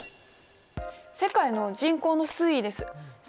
世界の人口の推移です。